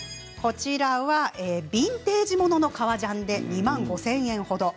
ビンテージものの革ジャン２万５０００円程。